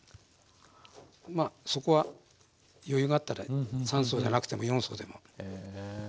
まあそこは余裕があったら３層じゃなくても４層でも。